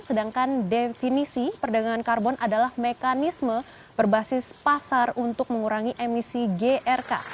sedangkan definisi perdagangan karbon adalah mekanisme berbasis pasar untuk mengurangi emisi grk